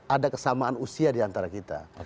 ada kesamaan usia diantara kita